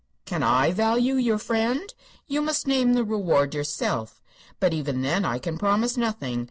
"Can I value your friend? You must name the reward yourself. But even then I can promise nothing.